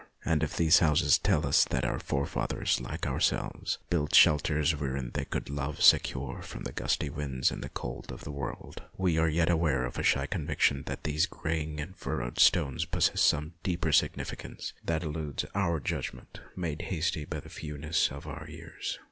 And if these old houses tell us only that our forefathers, like our selves, built shelters wherein they could love secure from the gusty winds and the cold of the world, we are yet aware of a shy conviction that these greying and furrowed stones possess some deeper significance that eludes our judgment, made hasty by the few ness of our years.